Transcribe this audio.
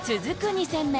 ２戦目。